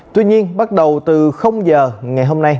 tuy nhiên bắt đầu từ giờ ngày hôm nay